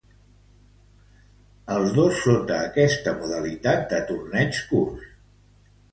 Els dos sota esta modalitat de torneigs curts.